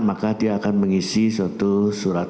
maka dia akan mengisi suatu surat